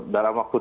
dalam waktu itu